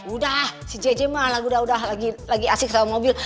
udah si jj mah lagi udah lagi asik sama mobil